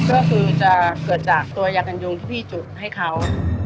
ก็คือจะเกิดจากตัวยากันยุงที่พี่จุดให้เขา